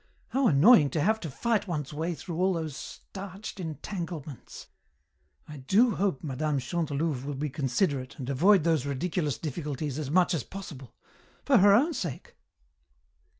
How annoying to have to fight one's way through all those starched entanglements! I do hope Mme. Chantelouve will be considerate and avoid those ridiculous difficulties as much as possible for her own sake."